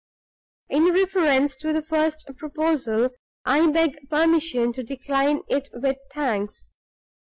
In reference to the first proposal, I beg permission to decline it with thanks.